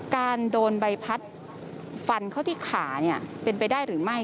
การโดนใบพัดฟันเข้าที่ขาเป็นไปได้หรือไม่